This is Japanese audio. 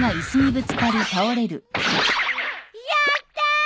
やったー！